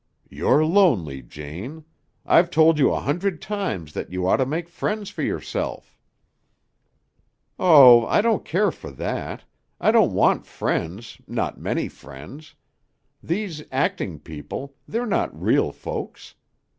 "You're lonely, Jane. I've told you a hundred times that you ought to make friends for yourself." "Oh, I don't care for that. I don't want friends, not many friends. These acting people, they're not real folks.